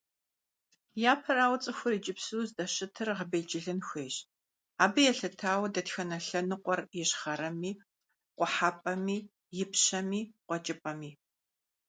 Япэрауэ, цӀыхур иджыпсту здэщытыр гъэбелджылын хуейщ, абы елъытауэ дэтхэнэ лъэныкъуэр ищхъэрэми, къухьэпӀэми, ипщэми, къуэкӀыпӀэми.